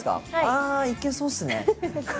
ああいけそうですね。